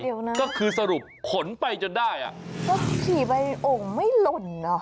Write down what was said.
เดี๋ยวนะก็คือสรุปขนไปจนได้อ่ะก็ขี่ไปโอ่งไม่หล่นเนอะ